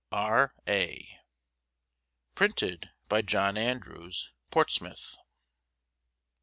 R.A. Printed by John Andrews, Portsmouth.